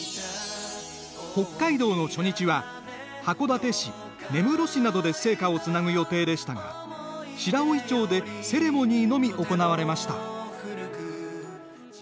北海道の初日は函館市、根室市などで聖火をつなぐ予定でしたが白老町でセレモニーのみ行われました。